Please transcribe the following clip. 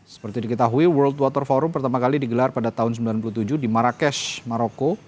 seperti diketahui world water forum pertama kali digelar pada tahun sembilan puluh tujuh di marrakesh maroko